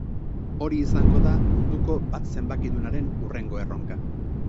Hori izango da munduko bat zenbakidunaren hurrengo erronka.